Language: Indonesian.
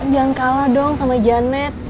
jangan kalah dong sama janet